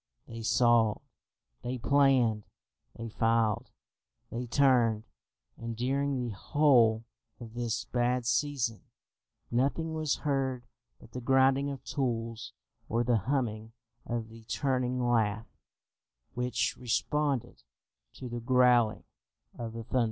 They sawed, they planed, they filed, they turned: and during the whole of this bad season, nothing was heard but the grinding of tools or the humming of the turning lathe which responded to the growling of the thunder.